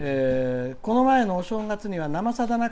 「この前のお正月には「生さだ」